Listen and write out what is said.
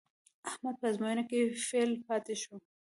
احمد په ازموینه کې فېل پاتې شو.